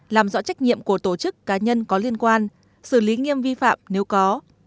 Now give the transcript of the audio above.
làm rõ trách nhiệm của tổ chức cá nhân có liên quan xử lý nghiêm vi phạm nếu có